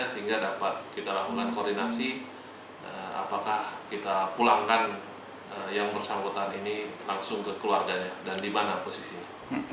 sehingga dapat kita lakukan koordinasi apakah kita pulangkan yang bersangkutan ini langsung ke keluarganya dan di mana posisinya